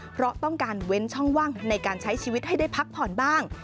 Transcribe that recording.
เพราะต้องการเว้นช่องว่างในการใช้ชีวิตให้ได้พักผ่อนบ้าง